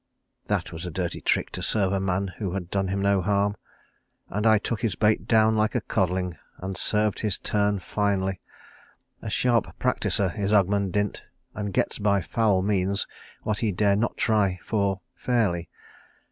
"That was a dirty trick to serve a man who had done him no harm. And I took his bait down like a codling, and served his turn finely. A sharp practiser is Ogmund Dint, and gets by foul means what he dare not try for fairly."